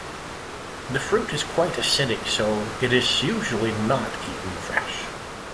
The fruit is quite acidic, so it is usually not eaten fresh.